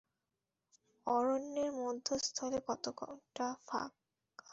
অরণ্যের মধ্যস্থলে কতকটা ফাঁকা।